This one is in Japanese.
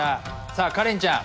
さあカレンちゃん